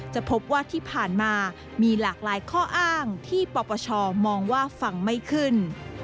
จะพบว่าที่ผ่านมามีหลากหลายข้ออ้างที่ปปชมองว่าฟังไม่ขึ้น